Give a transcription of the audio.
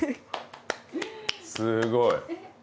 すごい。